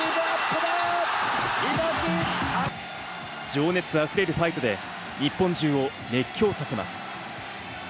情熱溢れるファイトで日本中を熱狂させます。